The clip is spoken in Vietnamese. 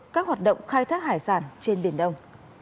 các hoạt động khai thác hải sản trên biển đông